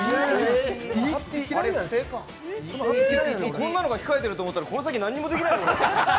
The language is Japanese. こんなのが控えてるかと思ったらこの先何もできない。